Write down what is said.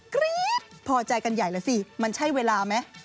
กรี๊ดพอใจกันใหญ่แล้วสิมันใช่เวลาไหม